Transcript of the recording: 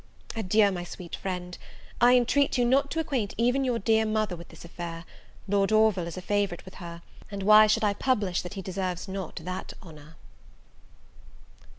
Adieu, my sweet friend. I intreat you not to acquaint even your dear mother with this affair; Lord Orville is a favourite with her, and why should I publish that he deserves not that honour?